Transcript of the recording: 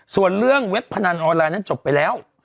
ส่วนเรื่องเว็บพนันออนไลน์นั้นจบไปแล้ว